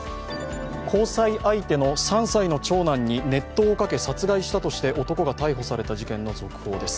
交際相手の３歳の長男に熱湯をかけ、殺害したとして男が逮捕された事件の続報です。